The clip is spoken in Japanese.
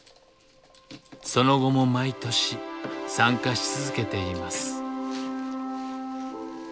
その後も毎年参加し続けています。